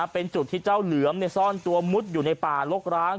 เป็นจุดที่เจ้าเหลือมซ่อนตัวมุดอยู่ในป่าลกร้าง